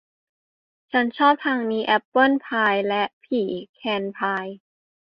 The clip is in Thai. ฉันชอบทางนี้แอบเปิ้ลพายและผีแคนพาย